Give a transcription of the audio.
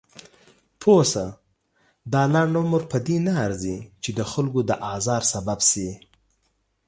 پوهه شه! دا لنډ عمر پدې نه ارزي چې دخلکو د ازار سبب شئ.